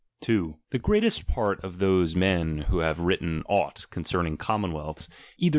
That the 2. The greatest part of those men who have ;r:jr^, written aught concerning commonwealths, either